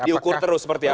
diukur terus seperti apa